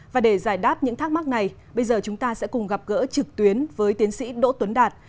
và để giải đáp những thắc mắc này bây giờ chúng ta sẽ cùng gặp gỡ trực tuyến với tiến sĩ đỗ tuấn đạt